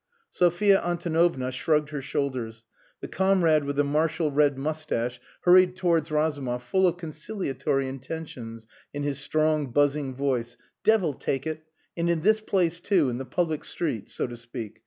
Sophia Antonovna shrugged her shoulders. The comrade with the martial red moustache hurried towards Razumov full of conciliatory intentions in his strong buzzing voice. "Devil take it! And in this place, too, in the public street, so to speak.